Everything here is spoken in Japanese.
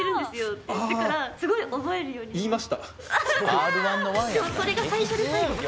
すごい。